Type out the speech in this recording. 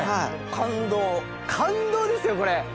感動ですよこれ。